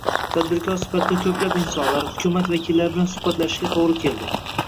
Tadbirkor sifatida koʻplab insonlar, hukumat vakillari bilan suxbatlashishga to'gri keldi.